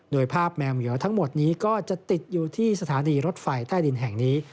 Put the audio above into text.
โดยภาพแมวเหมียวทั้งหมดนี้ก็จะติดอยู่ที่สถานีรถไฟใต้ดินแห่งนี้